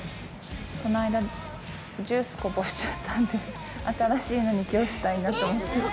こないだジュースこぼしちゃったんで、新しいのに今日したいなと思って。